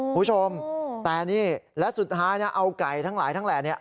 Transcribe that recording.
คุณผู้ชมแต่นี่และสุดท้ายนะเอาไก่ทั้งหลายทั้งแหล่เนี่ย